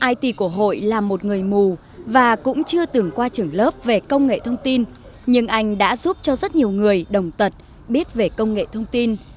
it của hội là một người mù và cũng chưa từng qua trưởng lớp về công nghệ thông tin nhưng anh đã giúp cho rất nhiều người đồng tật biết về công nghệ thông tin